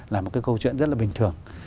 là một cái câu chuyện rất là bình thường